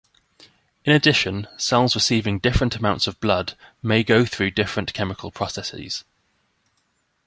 In addition, cells receiving different amounts of blood may go through different chemical processes.